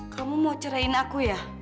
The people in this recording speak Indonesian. kamu mau cerahin aku ya